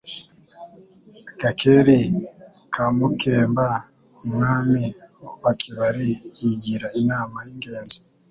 Gakeri ka Mukemba umwami wa Kibali yigira inama y'ingenzi,